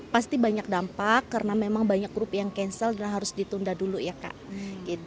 pasti banyak dampak karena memang banyak grup yang cancel dan harus ditunda dulu ya kak